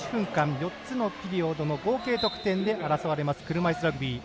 ４つのピリオドの合計得点で争われます車いすラグビー。